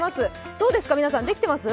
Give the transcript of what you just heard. どうですか、皆さんできてます？